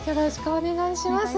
お願いします。